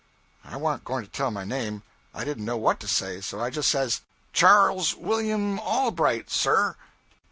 I warn't going to tell my name. I didn't know what to say, so I just says 'Charles William Allbright, sir.'